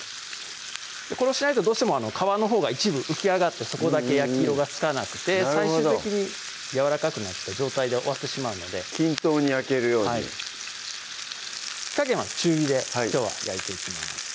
これをしないとどうしても皮のほうが一部浮き上がってそこだけ焼き色がつかなくて最終的にやわらかくなった状態で終わってしまうので均等に焼けるようにはい火加減は中火できょうは焼いていきます